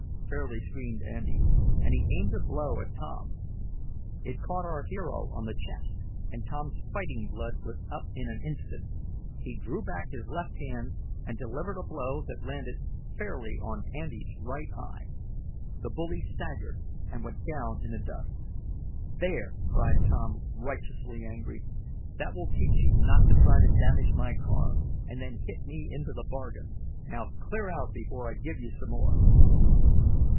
fairly screamed Andy, and he aimed a blow at Tom. It caught our hero on the chest and Tom's fighting blood was up in an instant. He drew back his left hand, and delivered a blow that landed fairly on Andy's right eye. The bully staggered and went down in the dust. "There!" cried Tom, righteously angry. "That will teach you not to try to damage my car, and then hit me into the bargain! Now clear out, before I give you some more!"